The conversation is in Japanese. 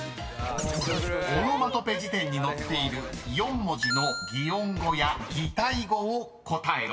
［オノマトペ辞典に載っている４文字の擬音語や擬態語を答えろ］